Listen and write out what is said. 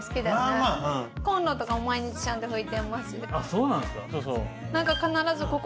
そうなんすか。